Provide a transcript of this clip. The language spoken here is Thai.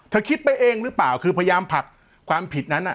คิดไปเองหรือเปล่าคือพยายามผลักความผิดนั้น